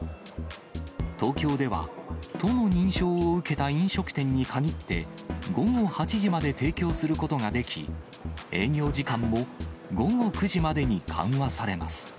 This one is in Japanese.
東京では、都の認証を受けた飲食店に限って、午後８時まで提供することができ、営業時間も午後９時までに緩和されます。